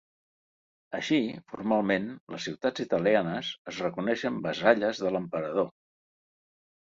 Així, formalment, les ciutats italianes es reconeixien vassalles de l'emperador.